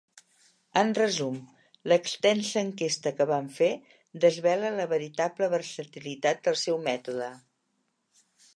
En resum, l'extensa enquesta que vam fer desvela la veritable versatilitat del seu mètode.